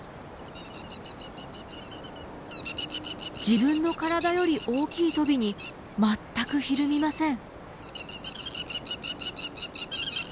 自分の体より大きいトビに全くひるみません。